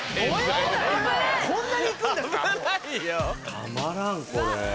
たまらんこれ。